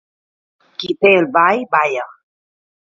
Qui té el ball, balla.